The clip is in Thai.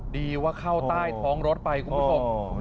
ดีว่าเข้าใต้ท้องรถไปคุณผู้ชม